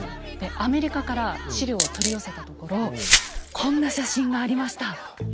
アメリカから資料を取り寄せたところこんな写真がありました。